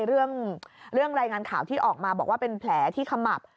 เรื่องรายงานข่าวที่ออกมาบอกว่าเป็นแผลที่ขมับ